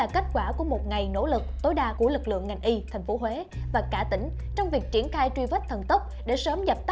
xin mời quý vị cùng theo dõi